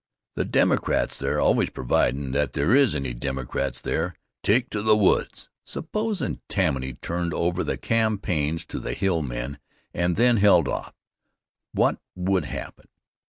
The Democrats there always providin' that there is any Democrats there take to the woods. Supposin' Tammany turned over the campaigns to the Hill men and then held off, what would happen?